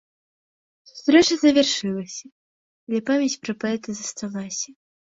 Сустрэча завяршылася, але памяць пра паэта засталася.